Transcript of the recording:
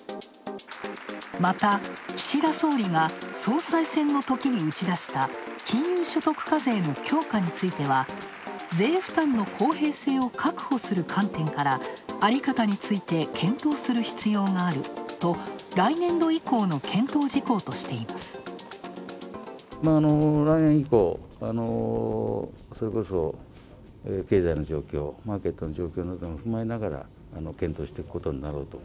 また、岸田総理が総裁選のときに打ち出した金融所得課税の強化については、税負担の公平性を確保する観点から、在り方について検討する必要があると来年度以降の検討事項としています。